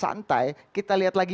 yang terakhir adalah kisah yang terakhir